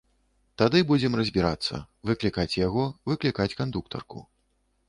Тады будзем разбірацца, выклікаць яго, выклікаць кандуктарку.